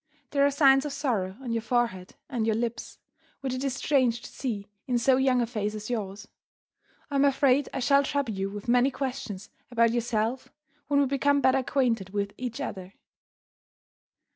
There are signs of sorrow on your forehead and your lips which it is strange to see in so young a face as yours. I am afraid I shall trouble you with many questions about yourself when we become better acquainted with each other.